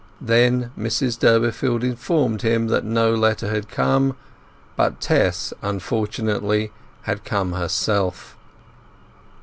Then Mrs Durbeyfield informed him that no letter had come, but Tess unfortunately had come herself.